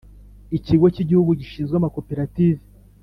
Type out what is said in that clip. Ikigo cy Igihugu gishinzwe amakoperative